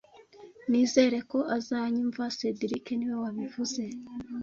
Nizere ko azanyumva cedric niwe wabivuze